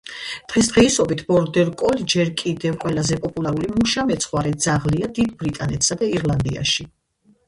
დღესდღეობით ბორდერ კოლი ჯერ კიდევ ყველაზე პოპულარული მუშა მეცხვარე ძაღლია დიდ ბრიტანეთსა და ირლანდიაში.